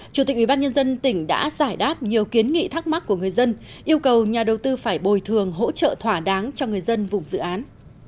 chủ tịch ubnd tỉnh đã giải đáp nhiều kiến nghị thắc mắc của người dân yêu cầu nhà đầu tư phải bồi thường hỗ trợ thỏa đáng cho người dân vùng dự án